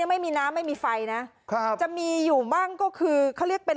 ไม่มีน้ำไม่มีไฟนะครับจะมีอยู่บ้างก็คือเขาเรียกเป็น